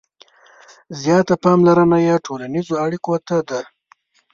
• زیاته پاملرنه یې ټولنیزو اړیکو ته ده.